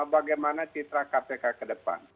bagaimana citra kpk ke depan